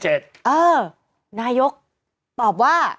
เออนายกตอบว่า